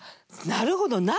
なるほどね。